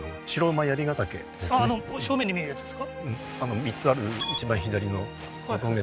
あの正面に見えるやつですか？